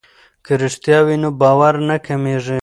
که رښتیا وي نو باور نه کمیږي.